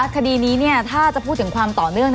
คดีนี้ถ้าจะพูดถึงความต่อเนื่อง